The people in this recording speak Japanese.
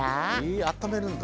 えあっためるんだ？